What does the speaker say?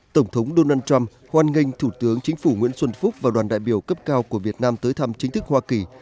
tổng thống donald trump hoan nghênh thủ tướng chính phủ nguyễn xuân phúc và đoàn đại biểu cấp cao của việt nam tới thăm chính thức hoa kỳ